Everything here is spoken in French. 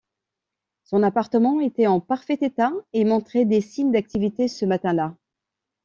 Son appartement était en parfait état et montrait des signes d'activité ce matin là.